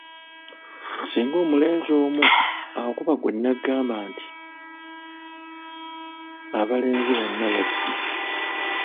Singa omulenzi omu akubba ggwe n’ogamba nti “abalenzi bonna babbi”.